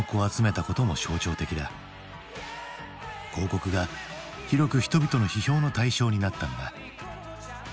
広告が広く人々の批評の対象になったのだ。